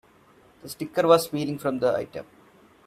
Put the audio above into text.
The sticker was peeling from the item.